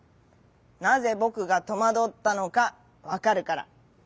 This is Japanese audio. なぜぼくがとまどったのかわかるから」。